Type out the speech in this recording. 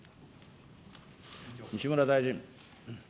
西村大臣。